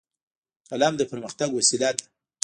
قلم د پرمختګ وسیله ده